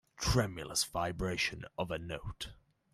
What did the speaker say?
Tremulous vibration of a note.